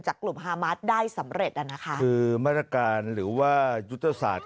กลุ่มฮามาสได้สำเร็จอ่ะนะคะคือมาตรการหรือว่ายุทธศาสตร์